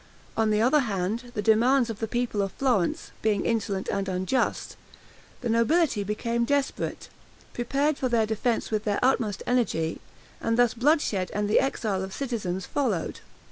On the other hand, the demands of the people of Florence being insolent and unjust, the nobility, became desperate, prepared for their defense with their utmost energy, and thus bloodshed and the exile of citizens followed.